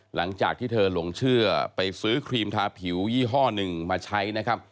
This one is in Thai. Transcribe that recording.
หลังจากที่เธอหลงเชื่อไปซื้อครีมทาผิวยี่ห้อหนึ่งมาใช้นะครับ